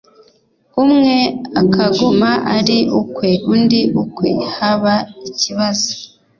umwe akaguma ari ukwe undi ukwe, haba ikibazo